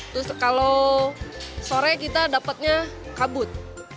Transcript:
terus kalau sore kita dapatnya kabut